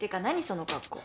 その格好。